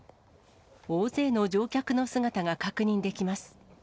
大勢の乗客の姿が確認できます。